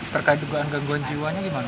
terima kasih pak